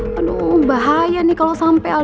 kamu juga sayang banget sama ibu el